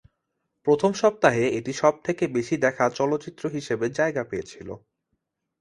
প্রথম সপ্তাহে এটি সবথেকে বেশি দেখা চলচ্চিত্র হিসেবে জায়গা পেয়েছিলো।